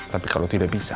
tapi kalau tidak bisa